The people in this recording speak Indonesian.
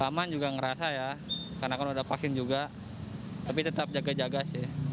maman juga ngerasa ya karena kan udah vaksin juga tapi tetap jaga jaga sih